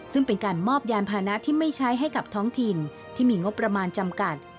ซึ่งเป็นการมอบยานพานะที่ไม่ใช้ให้กับท้องถิ่นที่มีงบประมาณจำกัด